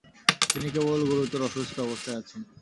তিনি কেবল গুরুতর অসুস্থ অবস্থায় আছেন।